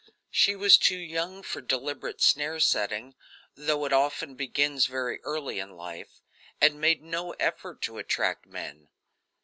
She was too young for deliberate snare setting though it often begins very early in life and made no effort to attract men.